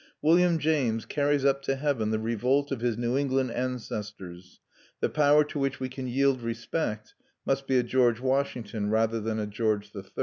William James carries up to heaven the revolt of his New England ancestors: the Power to which we can yield respect must be a George Washington rather than a George III."